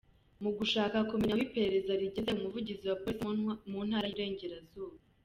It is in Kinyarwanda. Mu gushaka kumenya aho iperereza rigeze, Umuvugizi wa Polisi mu Ntara y’Iburengerazuba,